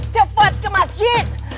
cepat ke masjid